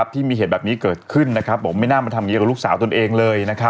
ที่มีเหตุแบบนี้เกิดขึ้นบอกไม่น่ามาทำอย่างนี้กับลูกสาวตนเองเลย